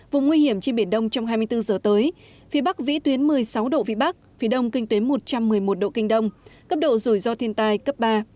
vùng nguy hiểm trên biển đông trong hai mươi bốn giờ tới phía bắc vĩ tuyến một mươi sáu độ vĩ bắc phía đông kinh tuyến một trăm một mươi một độ kinh đông cấp độ rủi ro thiên tai cấp ba